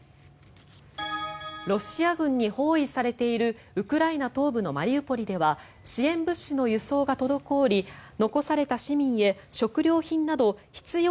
ロシア軍に包囲されているウクライナ東部のマリウポリでは支援物資の輸送が滞り残された市民へ食料品など必要